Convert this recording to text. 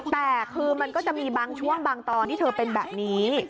แต่คือมันก็จะมีบางช่วงบางตอนที่เธอเป็นแบบนี้